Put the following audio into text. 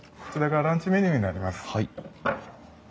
こちらがランチメニューになります。